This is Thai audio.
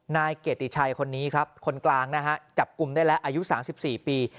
นายเกียรติชัยคนนี้ครับคนกลางนะฮะจับกลุ่มได้แล้วอายุ๓๔ปี